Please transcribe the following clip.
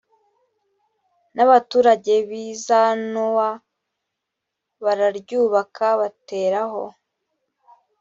n abaturage b i zanowa bararyubaka bateraho